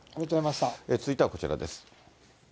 続いてはこちらです。